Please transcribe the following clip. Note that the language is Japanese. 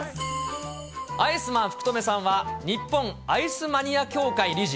アイスマン福留さんは、日本アイスマニア協会理事。